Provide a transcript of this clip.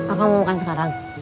akang mau makan sekarang